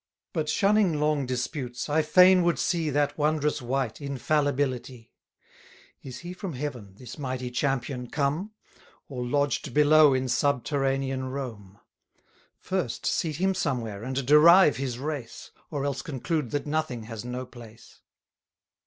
But, shunning long disputes, I fain would see That wondrous wight Infallibility. Is he from Heaven, this mighty champion, come; Or lodged below in subterranean Rome? First, seat him somewhere, and derive his race, Or else conclude that nothing has no place.